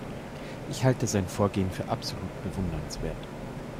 Ich halte sein Vorgehen für absolut bewundernswert.